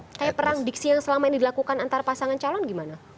kayak perang diksi yang selama ini dilakukan antar pasangan calon gimana